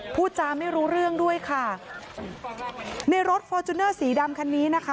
พูดจาไม่รู้เรื่องด้วยค่ะในรถฟอร์จูเนอร์สีดำคันนี้นะคะ